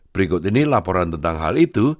berikut ini laporan tentang hal itu